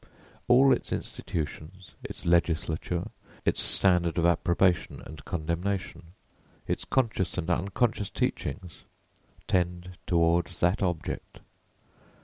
All its institutions, its legislature, its standard of approbation and condemnation, its conscious and unconscious teachings tend toward that object.